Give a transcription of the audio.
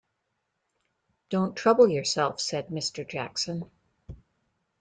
‘Don’t trouble yourself,’ said Mr. Jackson.